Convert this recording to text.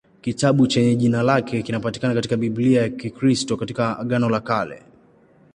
Kitabu chenye jina lake kinapatikana katika Biblia ya Kikristo katika Agano la Kale.